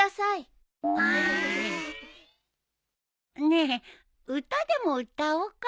ねえ歌でも歌おうか。